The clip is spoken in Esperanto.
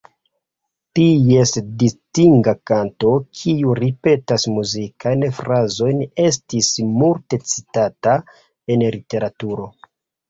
Ties distinga kanto, kiu ripetas muzikajn frazojn, estis multe citata en literaturo.